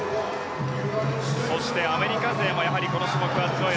そしてアメリカ勢もこの種目は強い。